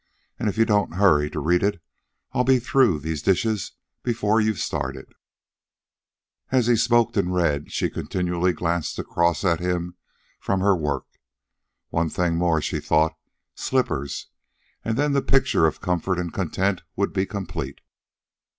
And if you don't hurry to read it, I'll be through these dishes before you've started." As he smoked and read, she continually glanced across at him from her work. One thing more, she thought slippers; and then the picture of comfort and content would be complete.